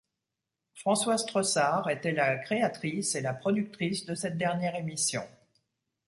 Françoise Treussard était la créatrice et la productrice de cette dernière émission.